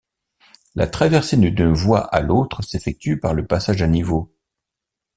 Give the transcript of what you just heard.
La traversée d'une voie à l'autre s'effectue par le passage à niveau.